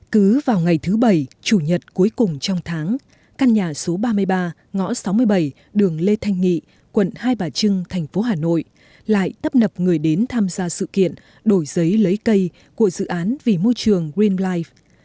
cứ vào ngày thứ bảy chủ nhật cuối cùng trong tháng căn nhà số ba mươi ba ngõ sáu mươi bảy đường lê thanh nghị quận hai bà trưng thành phố hà nội lại tấp nập người đến tham gia sự kiện đổi giấy lấy cây của dự án vì môi trường green life